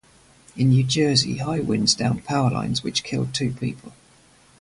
In New Jersey, high winds downed power lines, which killed two people.